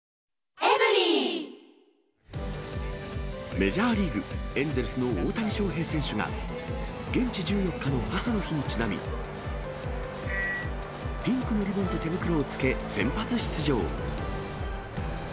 メジャーリーグ・エンゼルスの大谷翔平選手が、現地１４日の母の日にちなみ、ピンクのリボンと手袋をつけ先発出場。